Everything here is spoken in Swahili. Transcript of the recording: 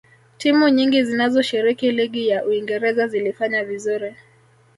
timu nyingi zinazoshiriki ligi ya uingereza zilifanya vizuri